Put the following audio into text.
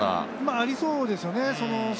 ありそうですね。